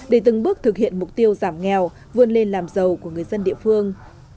để từng bước thực hiện mục tiêu giảm nghèo vươn lên làm giàu của người dân địa phương